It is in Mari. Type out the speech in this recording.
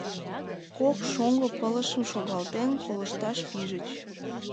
Кок шоҥго пылышым шогалтен колышташ пижыч.